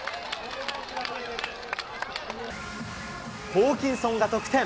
ホーキンソンが得点。